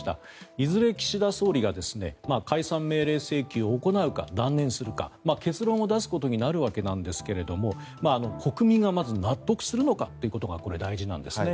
いずれ岸田総理が解散命令請求を行うか断念するか結論を出すことになるわけですが国民がまず納得するかということが大事なんですね。